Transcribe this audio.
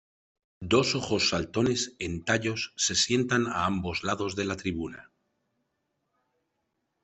Dos ojos saltones en tallos se sientan a ambos lados de la tribuna.